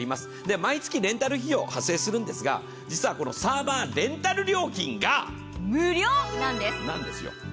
毎月レンタル費用発生するんですが、実はサーバーレンタル料金が無料なんです。